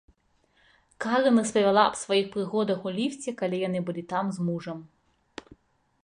Карын распавяла аб сваіх прыгодах у ліфце, калі яны былі там з мужам.